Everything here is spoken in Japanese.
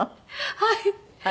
はい。